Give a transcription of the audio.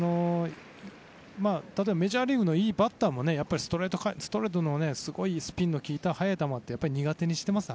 例えばメジャーリーグのいいバッターもストレートのすごいスピンの利いた速い球は苦手にしています